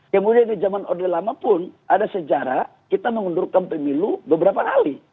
kemudian di zaman order lama pun ada sejarah kita mengundurkan pemilu beberapa kali